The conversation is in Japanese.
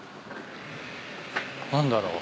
何だろう？